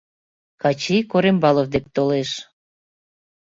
Качи Корембалов дек толеш.